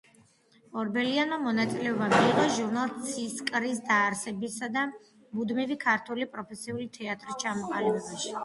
ორბელიანმა მონაწილეობა მიიღო ჟურნალ „ცისკრის“ დაარსებასა და მუდმივი ქართული პროფესიული თეატრის ჩამოყალიბებაში.